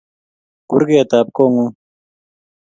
Kurgeetap Koong'ung.